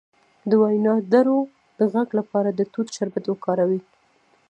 د وینادرو د غږ لپاره د توت شربت وکاروئ